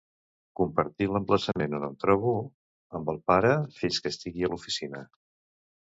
Compartir l'emplaçament on em trobo amb el pare fins que estigui a l'oficina.